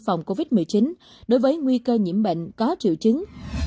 phòng covid một mươi chín đối với nguy cơ nhiễm bệnh có triệu chứng